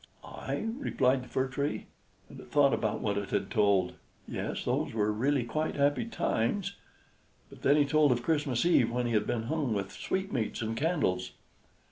"I?" replied the Fir Tree; and it thought about what it had told. "Yes, those were really quite happy times." But then he told of the Christmas Eve, when he had been hung with sweetmeats and candles.